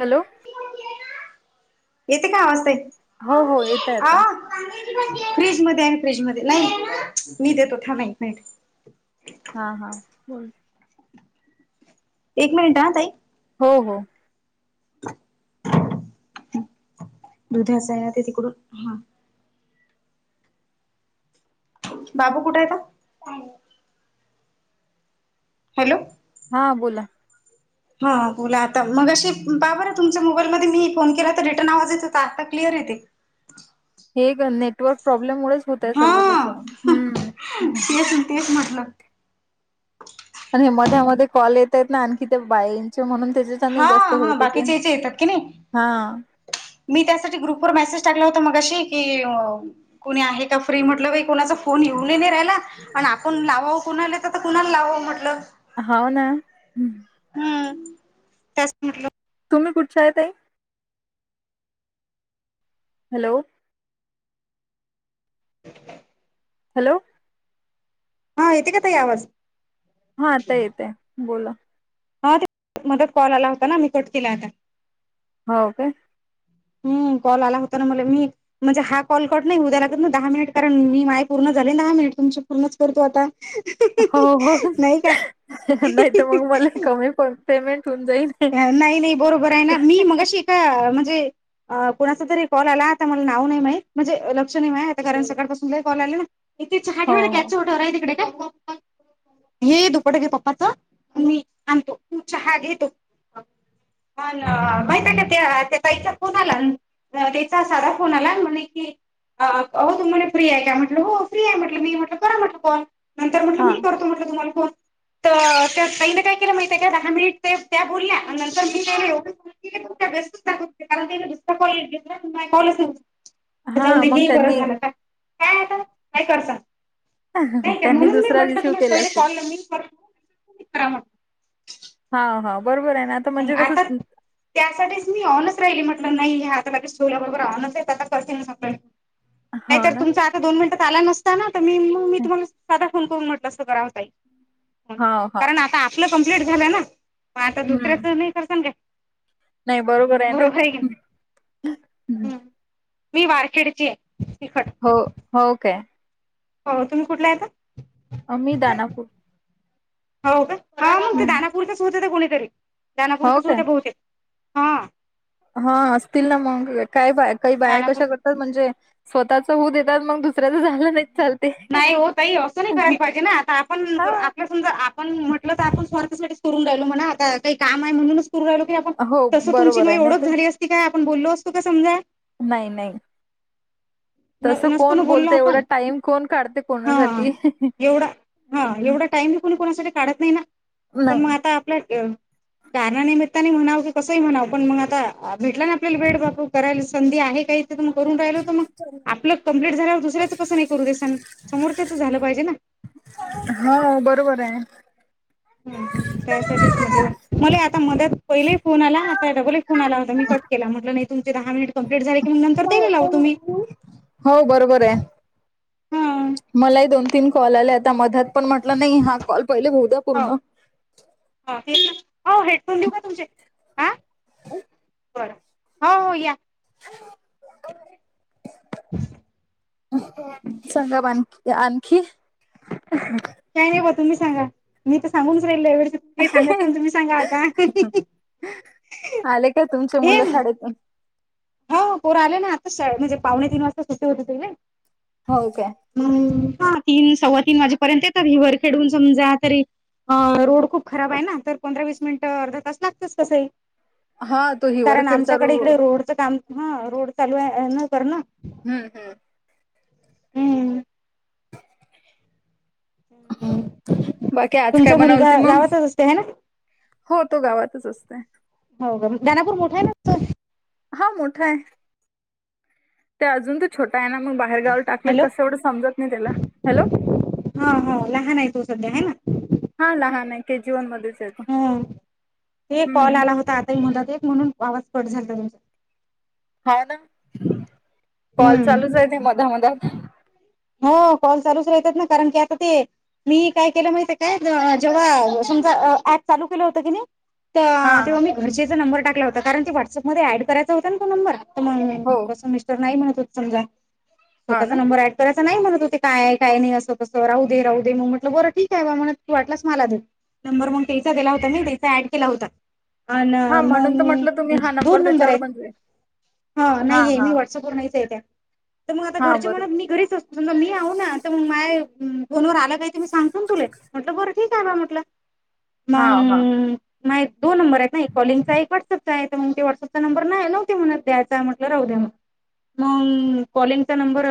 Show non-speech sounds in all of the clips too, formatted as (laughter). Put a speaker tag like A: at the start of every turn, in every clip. A: Hello.
B: येतोय ना आवाज ताई.
A: हो हो येत आता
B: (unintelligible) (unintelligible)
A: होय.
B: एक मिनिट आ ताई.
A: हो हो, फ्कत ऽ
B: दुध असय ना ते तिकडून,, हां. बाबू कुठे आहे त? हॅलो,
A: हां बोला.
B: हां बोला आता, मगाशी पहा बरं, तुमच्या मोबाईलमध्ये मी फोन केला तर रिटर्न आवाजा एत होता,, आता क्लिअरऽ े ते,
A: (inaudible) हे ग, नेटवर्क प्रॉब्लेम मुळच होतय सर्व
B: हा
A: तसं,,, हं.
B: अ,
A: आणि हे मध्यामध्ये कॉल येत आहेत ना आणखी ते बा इंच म्हणूनऽ
B: हा, हा, बाकीचे याचे येतात की नाही,,
A: हा
B: मी त्यासाठी ग्रुपवर मेसेज टाकले होऽ शी,, की कोणी आहे का फ्री म्हटलं, कोणाचा फोन येऊन नाही राला, आपऽ लावावं कुणाला, येत तर कुणाला लावावं म्हंटलं.
A: होाना, ह.
B: हम्,
A: तुम्ही कुठचा आहे ताई? हॅलो.
B: (unintelligible)
A: हॅलो.
B: हा येते का ताई आवाज?
A: हा, आता येत आहे,, बोला.
B: हां ते,, मदत कॉल आला होता ना मी कट केला आता.
A: हो काे
B: हम कॉल आला होता ना मला मी म्हणजे हा कॉल कट नाही होऊ द्या लागत ना दहा मिनिट कारण मी माय पूर्ण चले ना मी तुमच्या पूर्णच करतो आता
A: हो हो
B: नाही काय?
A: नाही तर मग मला कमी प पेमेंट होऊन जाईल
B: नाही नाही बरोबर आहे ना मी मग अशी ए का म्हणजे अ कुणाचा तरी कॉल आला आता मला नाव नाही माहीत म्हणजे लक्ष नाही मा आता कारण सकाळ पाासून का कॉल आले ना इथे चहा
A: हो हो
B: ठेव्याच छोटावर आहे तिकडे का हे येतो पटके पप्पाच मी आणतो तुचा हाग येतो माहि का त्या ताईचा फोन
A: (inaudible)
B: त्याचा साधा फोन आला म्हणे कि अ हो तुम्हाला फ्री आहे काय म्हटलं हो फ्री आहे म्हटलं मी म्हटलं करा म्हटलं कॉल नंतर म्हटलं
A: हा
B: मी करतो म्हटलं तुम्हाला फोन तर त्या साईने काय केलं माहिित आहे का दहा मिनिट ते त्या बोलल्या आणि नंतर मी एवढ त्याेस्टच दा कारणीुस कॉल घेतला तु कॉलच
A: हा मग
B: उदेही बरं
A: त्यांनी
B: झालं का काय आता काय करसा नाहीक आहे
A: त्यांनी
B: म्हणून मी
A: दुसरा
B: म्हटलं
A: रिसीव
B: तुम्ही
A: केला
B: पहिले
A: असेल
B: कॉल न करत करा म्ह
A: हा हा बरोबर आहे ना आता म्हणजे कसं
B: आता त्यासाठीच मी ऑनच राहिली म्हट नाही आता सोला बरोबर आवच आता कसेल आप नाहीत
A: हो ना
B: तुमचा आता दोन मिनिट आला नसता ना तर मी म मी तुम्हाला साध खनून म्हटलं अस करावं का
A: हा हा
B: कारण आता आपलं कंप्लीट झालं ना म आता
A: हम्म
B: कर स ग
A: नाही बरोबर आहे ना
B: हम्म मी वारखेडची आहे तिखट
A: हो हो काय
B: हो तुम्ही कुठला आहेता
A: अ्मी दनापूर
B: हो का मग ते दनापूरचच होत ते कोणीतरी
A: हो
B: दनापुरचच
A: काय
B: होते बहुते हा
A: हा असतील ना मग काय बा काही बाया
B: दानापूर
A: कशा करतात म्हणजे स्वतःच होऊ देतात मग दुसऱ्याच झालं नाही चालते
B: नाही होतही असं नाही करायला पाहिजे ना आता आपण
A: हा
B: आपलं समजा आपण म्हटलं तर आपण स् करून राहिल म्ह आता काही काम आहे म्हणूनच राहिलो की आपण
A: हो
B: तसं तुमची
A: बरोबर
B: मा
A: आहे नाही
B: ओळख
A: तर
B: झाली असती काय आपण बोललो असतो का समजा
A: नाही नाही
B: न
A: तस
B: नसतो
A: कोण
B: ना बोललो
A: बोलत एवढा
B: आपण
A: टाईम कोण काढते
B: हा
A: कोणासाठी
B: का नाही पण म
A: नाही
B: आप कार म्हणा की कस म्हणा पण मग आता भेटला आपल्याला भेट बापू करायला संधी आहे काही गून राग आप कप्ट झा क नाही कर छ समोरच्याच झालं पाहिजे ना
A: हो बरोबर
B: हम्म त्यासाठीच म्हटलं
A: आहे
B: मला आता मदत पहिले फो आला आताडगल फोन आला होता मी कट केला म्हटलं नाही तुम दहा मिनिट कं्प्लीट झाली
A: हो बरोबर आहे
B: हां
A: मलाही दोन तीन कॉल आल्या आता मध्यात पण म्हटला नाही हा कॉल पहिले बह द्या
B: हो
A: पूर्ण
B: हो तेच हो हेडफोन देऊ का तुमचे ह
A: हम
B: बर हो हो या
A: सगा बण ते आणखी
B: काय नाही बा तुम्ही सांगा मी तर सांगूनच राहिल व ते सांगत तुम्ही सांगाल का?
A: आले काय तुमचे
B: हे
A: मुलं शाळेतून?
B: हो पोरं आले ना आता शाळेत म्हणजे पावणे तीन वाजता सुट्टे होते तिकडे
A: हो काय
B: तीन सव्वा तीन वाजे पर्यंते तर हिवर खेडून समजा तरी अ रोड खूप खराब आहे ना तर पंधरा वीस मिनिटं अर्धा तास लागतेच तसही
A: हा तो
B: कारण
A: हिवरखेडचा रो
B: आमच्याकडे इकडे रोड हा रोड चालू आहे अह ना कर ना
A: हम्म हम्म.
B: हम्म.
A: बाकी आज काय
B: तुमचा मुलगा
A: बनवलती मग?
B: गावातच असते है ना.
A: हो तो गावातच असतय.
B: हो का दानापूर मोठा आहे ना च
A: हा मोठा आहे. ते अजून त छोटा आहे ना मग बाहेर गावी टाकले
B: हॅलो
A: कसं एवढं समजत नाही त्याला हॅलो.
B: हा हा लहान आहे तो सध्या आहे ना.
A: हा लहान नाही आहे के जी वन मध्ये
B: हां ते कॉल आला होता आताही म्हणता ते म्हणून आवाज कट झाला तुमचा.
A: हा ना कॉल
B: हम्म
A: चालूच आहे ते मधा मधा
B: हो कॉल चालूच राहतात ना कारण की आता ते मी काय केलं माहिती काय ज अ जेव्हा समजा अ ऍप चालू केलं होतं की नाही
A: हा
B: ता तेव्हा मी घरचेचा नंबर टाकला होता कारण ते व्हॉट्सअपमध्ये ऍड करायचा होता ना तो नंबर त म्हण
A: हो
B: तसं मिस्टर नाही म्हणत होत समजा,
A: हा
B: स्वतःचा
A: ना
B: नंबर एड तसं नाही म्हणत होते काय काय नाही असं कसं राहू दे राहू दे मग म्हटलं बरं ठीक आहे बा म्हणत तू वाटलंस मला दे नंबर मग त्याचा दिला होता मी त्याचा ऍड केला होता. आ
A: हा
B: ना
A: म्हणून तर म्हटलं
B: मंग
A: तुम्ही हा
B: दोन नंबर
A: त्याच्यावर
B: आहेत.
A: म्हणजे
B: हा नाहीये मी व्हॉट्सअप वर नाहीच त्या. तर मग आता
A: हा
B: घरचे
A: बरोबर
B: म्हणत मी घरीच असतो ना मी आहो ना तर मग माय फोनवर आला काही ते मी सांगतो तुला म्हटलं बरं ठीक आहे बा म्हटलं
A: हा हा
B: मंग मायेत दो नंबर आहेत ना एक कॉलिंगचा वॉटसअपचा आहे तर मग ते व्हॉट्सअपचा नंबर नाय नव्हत्या म्हणत द्यायचाय म्हटलं राहू दया. मंग कॉलिंगचा नंबर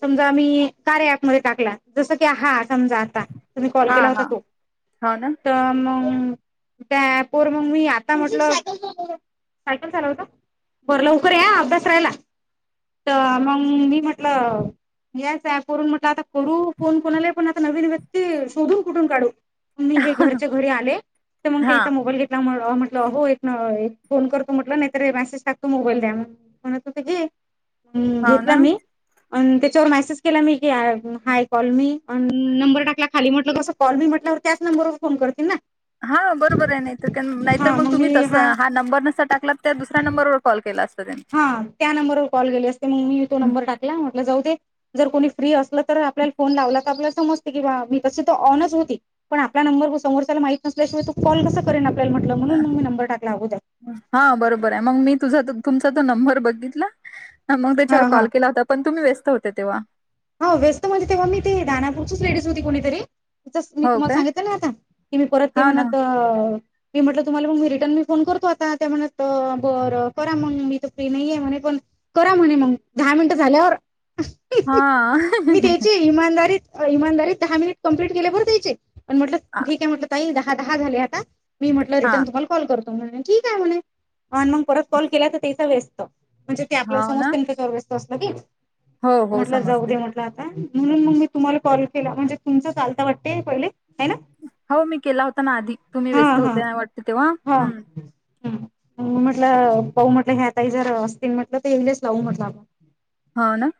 B: समजा आम्ही कार्या ऐप मध्ये टाकला जसं की हात समजा आता तुम्ही कॉल
A: हा
B: केला होता
A: हा
B: तो
A: हो ना
B: तर मग त्या पोरं मग मी आता म्हटलं बरं लवकर या अभ्यास राहिला तर मग मी म्हटलं यास ऍप वरून म्हटलं आता करू फोन कोणाला पण आता नवीन व्यक्ती शोधून कुठून काढू? मी हे घरच्या घरी आले तर मग
A: हा
B: त्याचा मोबाइल घेतला म्हण तव्हा म्हटलं हो एक न अ एक फोन करतो म्हटलं नाहीतर हे मेसेज टाकतो मोबाईल द्या म्हणत होते ते घे हम्म,
A: हो ना
B: घेतला मी अन त्याच्यावर मेसेज केला मी की आ हाय कॉल मी नंबर टाकला खाली म्हटलं कसं कॉल मी म्हटल्यावर त्याच नंबरवर फोन करते ना.
A: हा बरोबर आहे नाहीतर कन नाहीतर मग तुम्ही तसं हा नंबर नुस्ता टाक ला त्या दुसऱ्या नंबर कॉल केलास.
B: हा त्या नंबरवर कॉल केली असते मग मी तो
A: हं.
B: नंबर टाकला म्हटलं जाऊ दे जर कोणी फ्री असला तर आपल्याला फोन लावला तर आपला समजते की बा मी तसं त ऑनच होती पण आपल्याला नंबर व समस्याला माहित नसल्या शिवाय तू कॉल कसं करेन आ
A: हा बरोबर आहे मग मी तुझा तो तुमचा तो नंबर बघितला मग त्याच्यावर
B: हा हा
A: कॉल केला होता पण तुम्ही व्यस्त होते तेव्हा.
B: हो व्यस्त म्हण तेव्हा मी ते दानापूरच लेडीज होती कोणीतरी त मी
A: हो
B: तुम्हाला
A: काय
B: सांगितलं ना आता की मी परत ते
A: हा ना
B: म्हणत मी म्हटलं तुम्हाला मग मी रिटर्न मी फोन करतो आता त्या म्हणत बरं करा मग मी तर फ्री नाही आहेे म्हणे पण करा म्हणे मग दहा मिनटं झाल्यावर
A: हा
B: मी द्याचे इमानदारीत इमानदारीत दहा मिनिट कं्प्लीट केले बर द्यायचे पण म्हटलं
A: आ,
B: ठीक आहे म्हटलं ताई दहा दहा झाले आता मी म्हटलं
A: हा
B: रिटर्न तुम्हाला कॉल करतो ठीक आहे म्हणे मग परत कॉल केला तर तेसा वस्त म्हणजे ते आपल्या
A: हो ना
B: समस्त्यांच गरवेस्चत असलं की
A: हो हो
B: म्हटलं जाऊ
A: समजते
B: दे म्हटलं म्हणून मग मी तुम्हाला कॉल केला म्हणजे तुमचं चालता वाटतेय पहिले आहे ना
A: हो मी केला होता ना आधिक तुम्ही
B: हा
A: व्यस्त होते ना वाटते तेव्हा हम्
B: ह म्हटलं पाह म्हटलं हे आताई जर असतील म्हटलं तर येईलेच लावू म्हटलं आपण
A: हा ना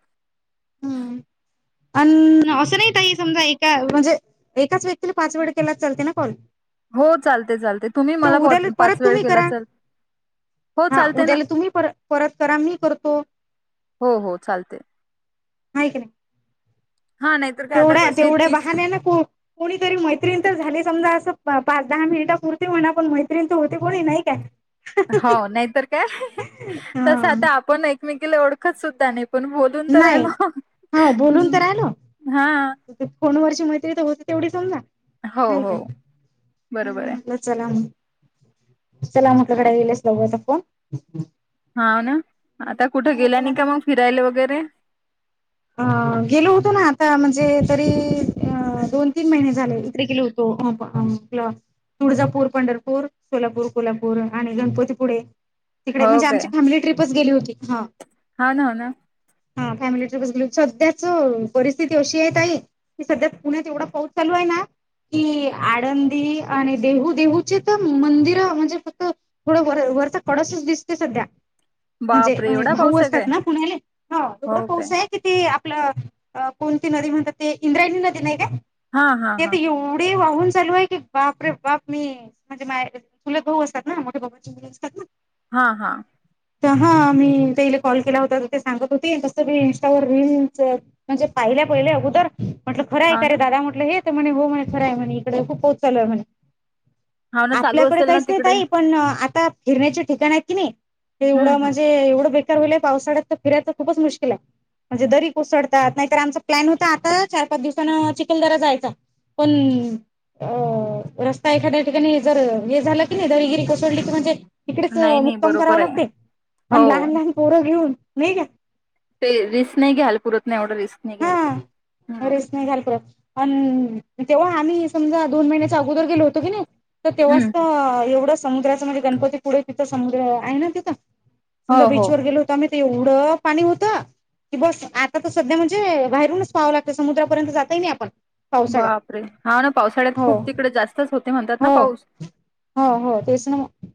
B: अ असं नाही काई समजा एका म्हणजे एकाच व्यक्तीला पाच वेळ केला चालते ना कॉल
A: हो चालते चालते तुम्ही
B: तो
A: मला
B: उद्याला
A: पाच
B: परत
A: वेळ
B: तुम्ही
A: केला
B: करा
A: चल
B: हा उद्याला तुम्ही पर परत करा मी करतो
A: हो हो चालते
B: नाहीक
A: हा नाहीतर काय आता
B: तेवढ्या
A: कसे आहेत
B: तेवढ्या
A: तीस
B: बहान ना कोणीतरी मैत्रीण तर झाले समजा असं पाच दहा मिनिटापुरती म्हणा पण मैत्रिणी तर होती कोणी नाही काय
A: हो नाहीतर काय तस
B: हा
A: आता आपण एकमेकीला ओळखत सुद्धा नाही पण बोलून तर
B: नाही
A: राल हा
B: फोन ववरची मैत्री तर होते तेवढी सांमा
A: हो
B: नाही काय
A: हो बरोबर आहे
B: हम् चला चलामकडे येईलच लघयचा फोन
A: हा ना आता कुठं
B: हो
A: गेला
B: पण
A: नाही
B: आता
A: का मग फिरायला वगैरे (inaudible)
B: अ गेलो होतो ना आता म्हणजे तरी दोन तीन महिने झाले तरी गेलो होतो तुळजापूर पंढरपूर सोलापूर कोल्हापूर आणि गणपतीपुळे तडे
A: हो
B: म्हणजे
A: काय
B: आमची फॅमिली टपच गेली होतीम
A: हा ना हो ना
B: सध्याच परिस्थिती अशी आहे त आई की सध्या पुण्यात एवढा पाऊस चालू आहे ना कि आळंदी आणि देहू देहूचे तर मंदिर म्हणजे फक्त थोडं बर वरचा कडसच दिसतो सध्या म्हणजे
A: बापरे एवढा
B: भाऊ
A: पाऊस आहे
B: असतात
A: काय
B: ना पुण्याले ह दोडं
A: हो काय
B: पासाय आप कोणती नदी म्हणतात ते इंद्रायणी नदी नाही का
A: हा हा हा
B: ते एवढे होन चालू आहे की बाप रे बाप मी म्हणजे मा तुले भाऊ असतात ना मोठ्या भाऊची मु असतात
A: हा हा
B: तर हा मी त्या इला कॉल केला होता तर ते सांगत होते तसं मी र म्हणजे पाहिल्या पहिले अगोदर म्हटलं खरं ऐ
A: हा
B: का रे
A: ना
B: दादा म्हटलं हे म्हणे हो म्हणे खर आहे म्हण इकडे खूप पोहोचालय म्हणे
A: हा ना चालू
B: आपल्याकडे
A: असेल ना
B: काहीच नाही
A: तिकडे
B: तई पण आता फिरण्याचे ठिकाण आहेत कि नाही ते
A: हम्म
B: एवढं
A: हम्म
B: म्हणजे एवढं बे य पावसा्या तर फिरायचं खूपच मुश्कल आहे म्हणजे दरी कोसळतात नाही तर आमचा प्लॅन होता आता चार पाच दिवसाांन चिखलदरा जायचा पण अ रस्ता एखाद्या ठिकाणी जर हे झाला की नाही दरगिरी कोसळली की म्हणजे इिकडेच
A: नाही नाही
B: मुक्काम कराव
A: बरोबर आहे
B: लागते पण
A: हो
B: लहान लहान पोरं घेऊन नाही घ्या
A: ते रिस्क नाही घ्यायला पुरत नाही एवढं रिस्क नाही घ्याय पुरत
B: अं तेव्हा आम्ही समजा दोन महिन्याच्या अगोदर गेलो होतो की नाही तर तेव्हाच
A: हम्म
B: तर एवढं समुद्राचं म्हणजे गणपती पुढे तिथं समुद्र आहे ना तिथं.
A: हो
B: समजा
A: हो
B: बीचवरर गेलो होत म ते एवढं पाणी होत की बस आता तर सध्या म्हणजे. बाहेरूनच पावं लागतं समुद्रापर्यंत जाताय नाही आपण पावसाळ्यात
A: बापरे हा ना पावसाळ्यात
B: हो
A: खूप तिकडे जास्तच होते म्हणतात ना
B: हो
A: पाऊस
B: हो हो तेच ना मग.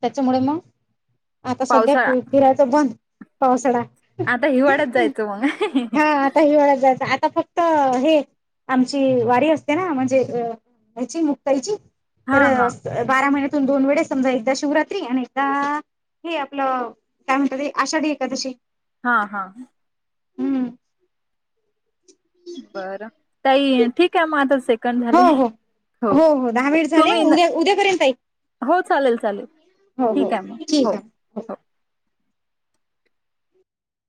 B: त्याच्यामुळे मग आता सध्या
A: पावसाळा
B: फिरायचं बंद. पावसाळा
A: आता हिवाळ्यात जायचं मग
B: हा आता हिवाळ्यात जायच आता आता फक्त हे आमची वारी असते ना म्हणजे ह्याची मुक्ताईची
A: हा
B: तर
A: हा
B: बारा महिन्यातून दोन वेळे समजा एकदा. शिवरात्री आणि एकदा हे आपलं काय म्हणत ते आषाढी एखकादशी
A: हा हा.
B: हम्म.
A: बरं तई ठीक आहे मग आता सेकंड झाले हो.
B: हहा वर झाले
A: तुम्ही न-
B: उद्या उद्यापर्यंतई
A: हो चालेल चालेल ठीक आहे मग हो हो